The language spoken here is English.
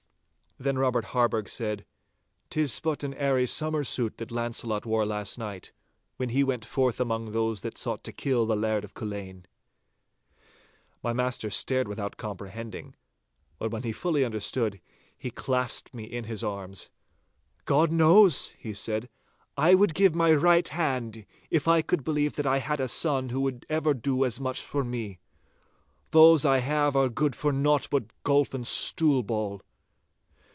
Then Robert Harburgh said, ''Tis but an airy summer suit that Launcelot wore last night, when he went forth among those that sought to kill the Laird of Culzean.' My master stared without comprehending. But when he fully understood, he clasped me in his arms. 'God knows,' he said, 'I would give my right hand, if I could believe that I had a son who would ever do as much for me. Those I have are good for naught but golf and stool ball.